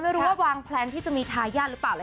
ไม่รู้ว่าวางแพลนที่จะมีทายาทหรือเปล่า